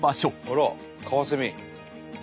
あらカワセミ。